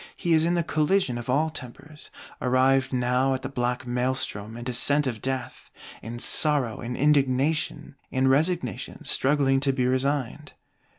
He is in the collision of all tempers; arrived now at the black Maelstrom and descent of Death: in sorrow, in indignation, in resignation struggling to be resigned.